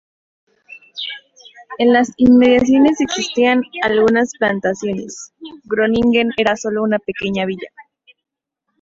En las inmediaciones existían algunas plantaciones, Groningen era solo una pequeña villa.